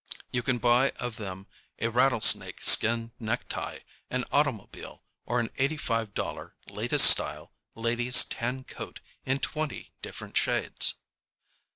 You can buy of them a rattlesnake skin necktie, an automobile or an eighty five dollar, latest style, ladies' tan coat in twenty different shades.